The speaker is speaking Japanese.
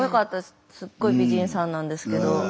すっごい美人さんなんですけど。